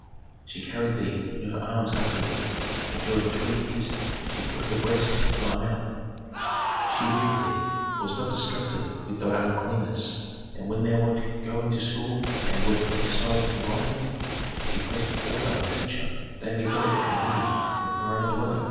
She carried thee in her arms afterward, and during three years she put her breast into thy mouth. She reared thee, was not disgusted with thy uncleanness. And when thou wert going to school and wert exercised in writing, she placed before thy teacher daily bread and beer from her own dwelling."